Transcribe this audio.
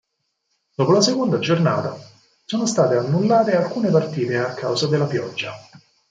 Dopo la seconda giornata sono state annullate alcune partite a causa della pioggia.